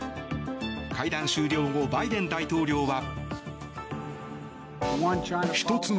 会談終了後バイデン大統領は。